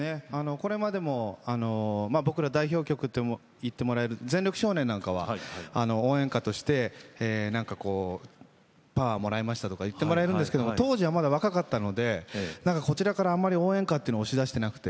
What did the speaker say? これまでも僕ら代表曲っていってもらえる「全力少年」なんかは応援歌としてパワーもらえましたとか言ってもらえるんですけど当時はまだ若かったので、こちらから応援歌というふうに押し出してなくて。